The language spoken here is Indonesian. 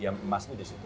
yang emasnya di situ